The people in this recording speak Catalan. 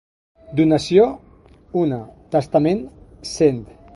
Donació, una; testament, cent.